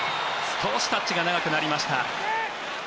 少しタッチが長くなりました。